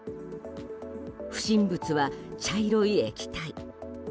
不審物は茶色い液体。